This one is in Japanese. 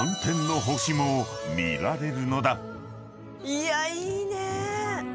いやいいね。